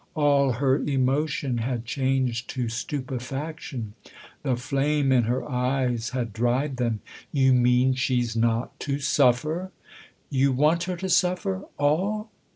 All her emotion had changed to stupefaction ; the flame in her eyes had dried them. " You mean she's not to suffer ?"" You want her to suffer all